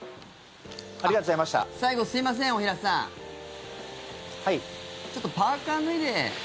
最後すいません、大平さんちょっとパーカ脱いで。